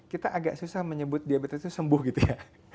kita agak susah menyebut diabetes itu sembuh gitu ya